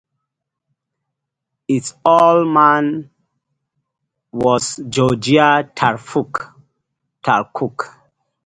Its old name was "Georgi Traikov".